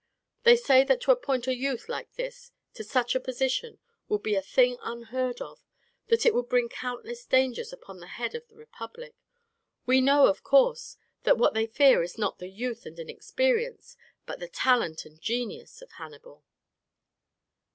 They say that to appoint a youth like this to such a position would be a thing unheard of, that it would bring countless dangers upon the head of the republic. We know, of course, that what they fear is not the youth and inexperience, but the talent and genius of Hannibal.